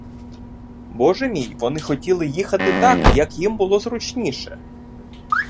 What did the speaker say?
Боже мій, вони хотіли їхати так, як їм було зручніше!